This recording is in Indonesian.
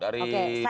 dari kuklus sembilan